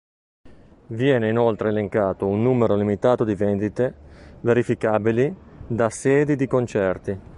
Viene inoltre elencato un numero limitato di vendite verificabili da sedi di concerti.